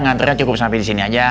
ngantrinya cukup sampai di sini aja